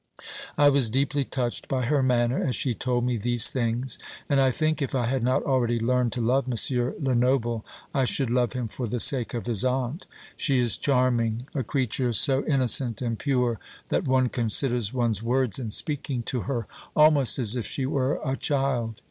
I was deeply touched by her manner as she told me these things; and I think, if I had not already learned to love M. Lenoble, I should love him for the sake of his aunt. She is charming; a creature so innocent and pure, that one considers one's words in speaking to her, almost as if she were a child.